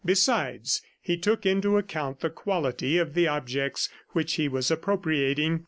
Besides, he took into account the quality of the objects which he was appropriating.